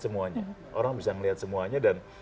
semuanya orang bisa melihat semuanya dan